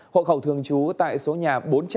hội khẩu thường chú tại số nhà bốn trăm hai mươi hai